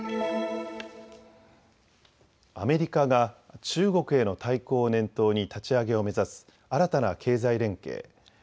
アメリカが中国への対抗を念頭に立ち上げを目指す新たな経済連携